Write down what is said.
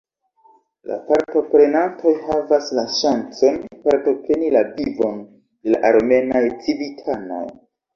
La partoprenantoj havas la ŝancon partopreni la vivon de la armenaj civitanoj.